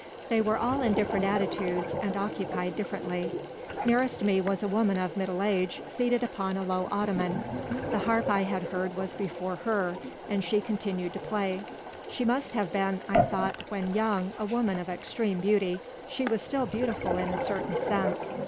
They were all in different attitudes, and occupied differently. Nearest me was a woman of middle age, seated upon a low ottoman. The harp I had heard was before her, and she continued to play. She must have been, I thought, when young, a woman of extreme beauty. She was still beautiful in a certain sense.